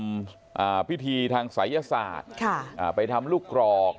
อ่าพิธีทางศัยศาสตร์ค่ะอ่าไปทำลูกกรอก